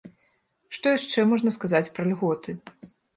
Што яшчэ можна сказаць пра льготы?